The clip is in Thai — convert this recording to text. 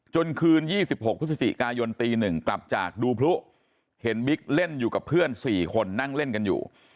คืน๒๖พฤศจิกายนตี๑กลับจากดูพลุเห็นบิ๊กเล่นอยู่กับเพื่อน๔คนนั่งเล่นกันอยู่